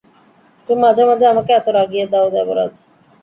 তুমি মাঝে মাঝে আমাকে এত রাগিয়ে দাও, দেবরাজ।